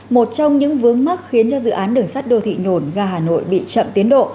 một trong những vướng mắc khiến cho dự án đường sắt đô thị nhổn ga hà nội bị chậm tiến độ